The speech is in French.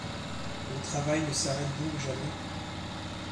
Le travail ne s'arrête donc jamais.